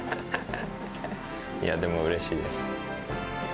いや、でもうれしいです。